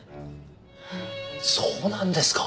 そうなんですか！